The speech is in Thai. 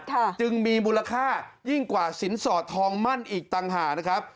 จึงมีมูลค่ายิ่งกว่าสินสอดทองมั่นอีกต่างหากนะครับ